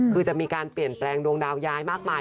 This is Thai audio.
คือจะมีการเปลี่ยนแปลงดวงดาวย้ายมากมาย